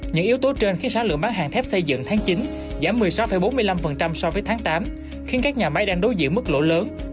những yếu tố trên khiến sản lượng bán hàng thép xây dựng tháng chín giảm một mươi sáu bốn mươi năm so với tháng tám khiến các nhà máy đang đối diện mức lỗ lớn